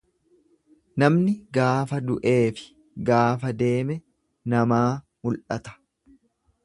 Namni gaafa du'eefi gaafa deeme namaa mul'ata.